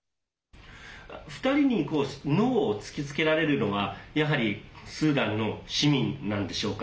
２人にノーを突きつけられるのはやはりスーダンの市民なんでしょうか。